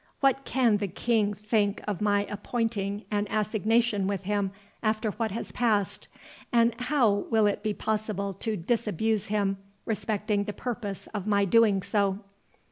What can the King think of my appointing an assignation with him after what has passed, and how will it be possible to disabuse him respecting the purpose of my doing so?"